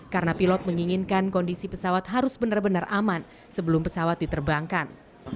karena pilot menginginkan kondisi pesawat harus benar benar aman sebelum pesawat diterbangkan